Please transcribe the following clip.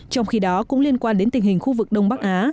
trong khi đó cũng liên quan đến tình hình khu vực đông bắc á